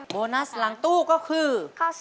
โบนัสหลังตู้ก็คือ